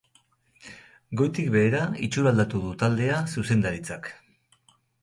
Goitik behera itxuraldatu du taldea zuzendaritzak.